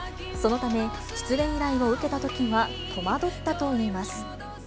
そのため、出演依頼を受けたときは戸惑ったといいます。